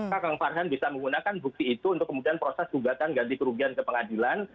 kak kang farhan bisa menggunakan bukti itu untuk kemudian proses gugatan ganti kerugian ke pengadilan